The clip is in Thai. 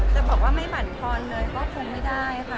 จะบอกว่าไม่บรรทอนเลยก็คงไม่ได้ค่ะ